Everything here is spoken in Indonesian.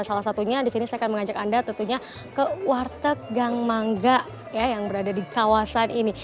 salah satunya di sini saya akan mengajak anda tentunya ke warteg gang mangga yang berada di kawasan ini